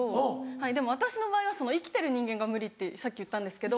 でも私の場合は生きてる人間が無理ってさっき言ったんですけど。